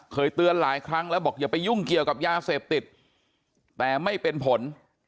เคยเตือนหลายครั้งแล้วบอกอย่าไปยุ่งเกี่ยวกับยาเสพติดแต่ไม่เป็นผล